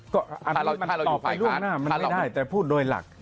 ก็อันนี้มันต่อไปล่วงหน้ามันไม่ได้แต่พูดโดยหลัก